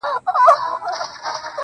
• ستا د يادو لپاره.